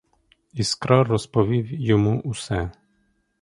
Іскра розповів йому усе.